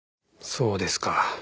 そうですか。